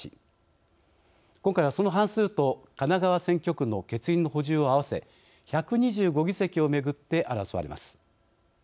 今回は、その半数と神奈川選挙区の欠員の補充を合わせ１２５議席を巡って争われます。